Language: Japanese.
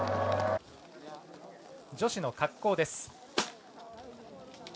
女子の滑降です。